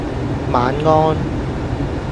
晚安